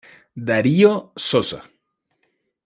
Darío Sosa.